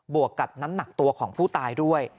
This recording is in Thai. วกกับน้ำหนักตัวของผู้ตายด้วย